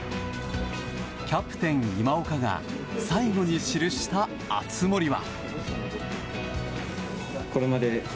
キャプテン、今岡が最後に記した熱盛は。